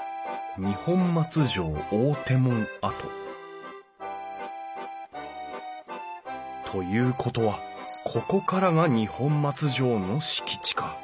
「二本松城大手門跡」ということはここからが二本松城の敷地か。